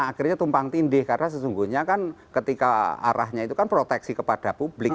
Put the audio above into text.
akhirnya tumpang tindih karena sesungguhnya kan ketika arahnya itu kan proteksi kepada publik